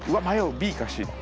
ＢかＣだ。